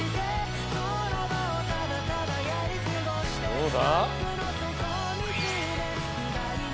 どうだ？